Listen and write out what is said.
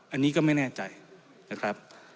อันนี้ก็ไม่แน่ใจนะครับ